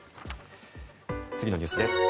次のニュースです。